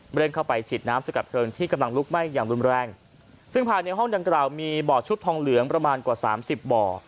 เร่งเข้าไปฉีดน้ำสกัดเพลิงที่กำลังลุกไหม้อย่างรุนแรงซึ่งภายในห้องดังกล่าวมีบ่อชุดทองเหลืองประมาณกว่าสามสิบบ่อ